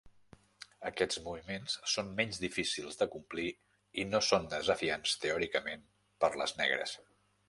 Aquests moviments són menys difícils de complir i no són desafiants teòricament per les negres.